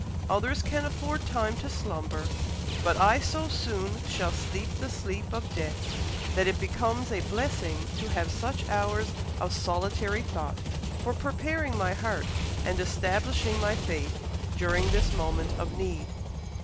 Others can afford time to slumber, but I so soon shall sleep the sleep of death, that it becomes a blessing to have such hours of solitary thought, for preparing my heart and establishing my faith, during this moment of need."